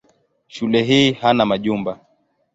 Shule hii hana majumba.